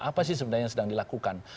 apa sih sebenarnya yang sedang dilakukan